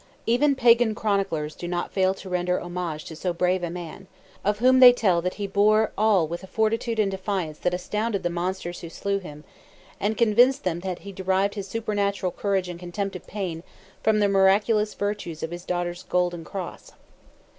Even pagan chroniclers do not fail to render homage to so brave a man, of whom they tell that "he bore all with a fortitude and defiance that astounded the monsters who slew him, and convinced them that he derived his supernatural courage and contempt of pain from the miraculous virtues of his daughter's golden cross."